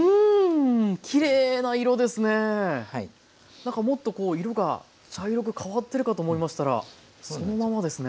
なんかもっとこう色が茶色く変わってるかと思いましたらそのままですね。